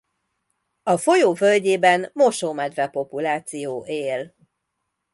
A folyó völgyében mosómedve populáció él.